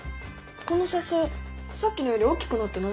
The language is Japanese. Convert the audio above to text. この写真さっきのより大きくなってない？